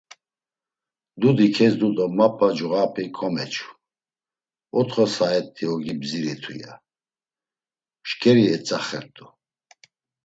Dudi kezdu do Mapa cuğap̌i komeçu: “Otxo saet̆i ogi bziritu” ya; “Mşǩeri etzaxert̆u.”